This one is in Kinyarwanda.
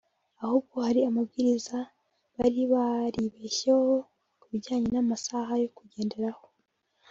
ahubwo hari amabwiriza bari baribeshyeho ku bijyanye n’amasaha yo kugenderaho